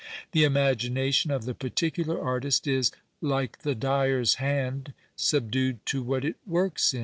The imagination of the particular artist is like the dyi r'a hand, Subdufd to what it works in.